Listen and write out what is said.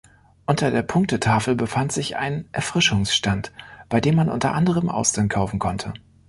Unter der Punktetafel befand sich ein Erfrischungsstand, bei dem man unter anderem Austern kaufen konnte.